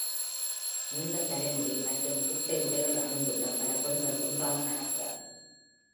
நீண்ட தலைமுடி மற்றும் குட்டை உடைகள் அணிந்துள்ள பல பெண்கள் ஒன்றாக நடக்கிறார்கள்.